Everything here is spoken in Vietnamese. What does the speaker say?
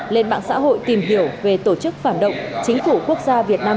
lên mạng xã hội tìm hiểu về tổ chức phản động chính phủ quốc gia việt nam